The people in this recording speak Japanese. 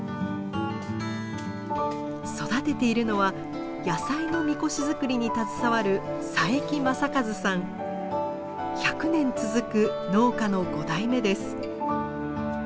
育てているのは野菜の神輿作りに携わる１００年続く農家の５代目です。